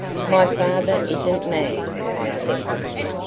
"My father isn't mad," I said.